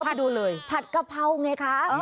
พาดูเลยผัดกะเพราไงคะ